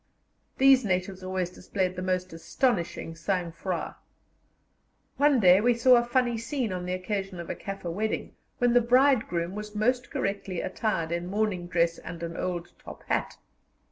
These natives always displayed the most astonishing sang froid. One day we saw a funny scene on the occasion of a Kaffir wedding, when the bridegroom was most correctly attired in morning dress and an old top hat.